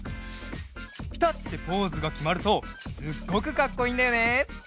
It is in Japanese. ピタッてポーズがきまるとすっごくかっこいいんだよね。